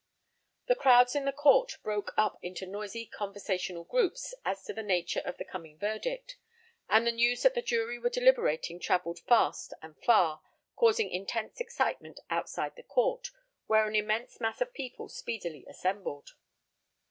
The crowds in the court broke up into noisy conversational groups as to the nature of the coming verdict, and the news that the jury were deliberating travelled fast and far, causing intense excitement outside the Court, where an immense mass of people speedily assembled.